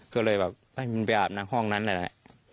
ก็เลยแบบให้มินไปอาฟน้ำห้องนั้นนั่นล่ะ